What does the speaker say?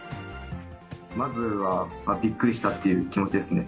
まずはびっくりしたっていう気持ちですね。